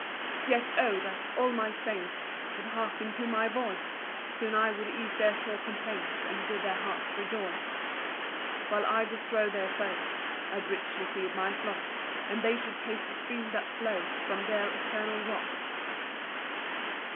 5 "Yet O! that all my saints "Would hearken to my voice! "Soon I would ease their sore complaints, "And bid their hearts rejoice. 6 "While I destroy their foes, "I'd richly feed my flock, "And they should taste the stream that flows "From their eternal Rock."